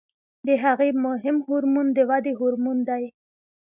د هغې مهم هورمون د ودې هورمون دی.